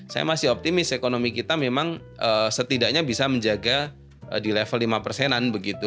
saya masih optimis ekonomi kita memang setidaknya bisa menjaga di level lima persenan begitu